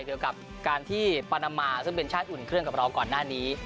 เกี่ยวกับการที่ปานามาซึ่งเป็นชาติอุ่นเครื่องกับเราก่อนหน้านี้